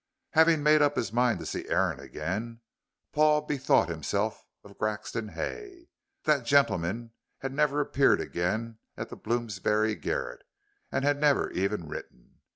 Having made up his mind to see Aaron again, Paul bethought himself of Grexon Hay. That gentleman had never appeared again at the Bloomsbury garret, and had never even written.